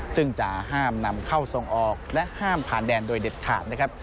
ซึ่งจะห้ามนำเข้าทรงออกและห้ามผ่านแดนโดยเด็ดขาดนะครับ